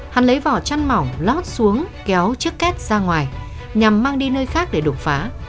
hắn lấy vỏ chăn mỏng lót xuống kéo chiếc két ra ngoài nhằm mang đi nơi khác để đột phá